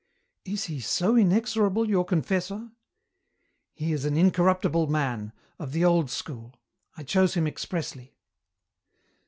"Is he so inexorable, your confessor?" "He is an incorruptible man, of the old school. I chose him expressly."